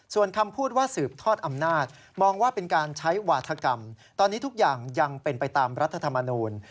ส่วนคำพูดว่าสืบทอดอำนาจมองว่าเป็นการใช้วาธกรรมตอนนี้ทุกอย่างยังเป็นไปตามรัฐธรรมนูล